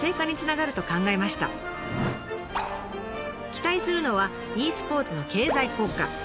期待するのはｅスポーツの経済効果。